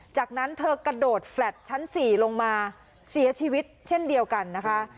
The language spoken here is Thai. จากนั้นเธอกระโดดแฟลต์ชั้น๔ลงมาเสียชีวิตเช่นเดียวกันนะคะ